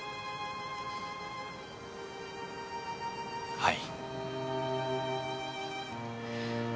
はい。